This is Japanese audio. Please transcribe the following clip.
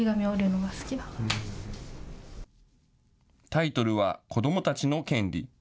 タイトルは、子どもたちの権利。